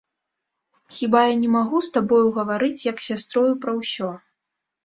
Хіба я не магу з табою гаварыць як з сястрою пра ўсё?